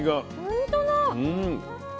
ほんとだ。